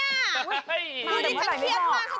เฮ้ยเดี๋ยวเราไปไม่ได้หรอกดูนี่ฉันเครียดมาก